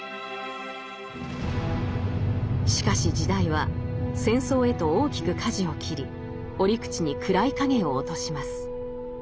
しかし時代は戦争へと大きくかじを切り折口に暗い影を落とします。